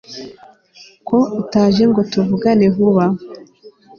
ko utaje ngo tuvugane vuba